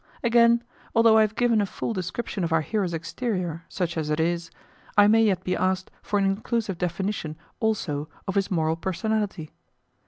Again, although I have given a full description of our hero's exterior (such as it is), I may yet be asked for an inclusive definition also of his moral personality.